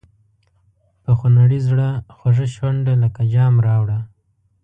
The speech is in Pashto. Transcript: په خونړي زړه خوږه شونډه لکه جام راوړه.